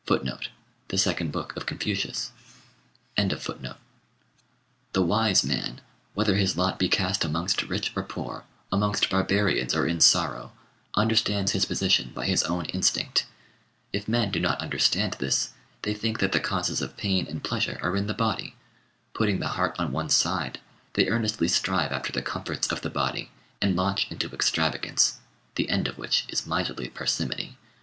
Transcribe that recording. The wise man, whether his lot be cast amongst rich or poor, amongst barbarians or in sorrow, understands his position by his own instinct. If men do not understand this, they think that the causes of pain and pleasure are in the body. Putting the heart on one side, they earnestly strive after the comforts of the body, and launch into extravagance, the end of which is miserly parsimony.